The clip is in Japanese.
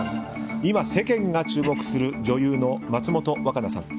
今、世間が注目する女優の松本若菜さん。